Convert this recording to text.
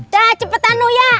dah cepetan noh ya